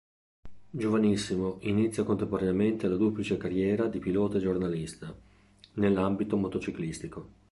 Giovanissimo, inizia contemporaneamente la duplice carriera di pilota e giornalista, nell'ambito motociclistico.